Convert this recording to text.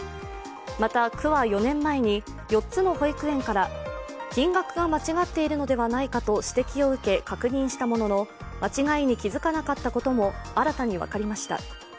また、区は４年前に４つの保育園から金額が間違っているのではないかと指摘を受け確認したものの、間違いに気づかなかったことも新たに分かりました。